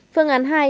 phương án hai